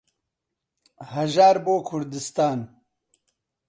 هەژار بۆ کوردستان